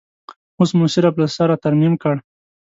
اوس مو صرف له سره ترمیم کړ.